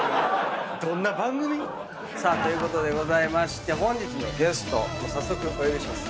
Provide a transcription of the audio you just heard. どんな番組⁉さあということでございまして本日のゲスト早速お呼びします。